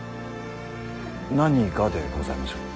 何がでございましょう。